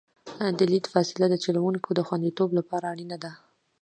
د لید فاصله د چلوونکي د خوندیتوب لپاره اړینه ده